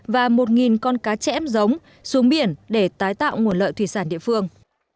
và một con cá chẽm giống xuống biển để tái tạo nguồn lợi thủy sản địa phương